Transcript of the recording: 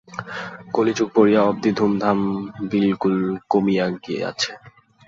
কলিযুগ পড়িয়া অবধি ধুমধাম বিলকুল কমিয়া গিয়াছে।